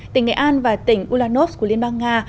tỉnh nghệ an và tỉnh ulanos của liên bang nga